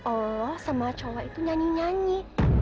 oh sama cowok itu nyanyi nyanyi